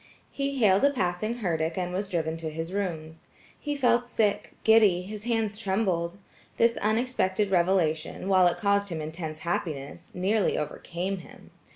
He hailed a passing herdic and was driven to his rooms. He felt sick, giddy, his hands trembled. This unexpected revelation, while it caused him intense happiness, nearly overcame him.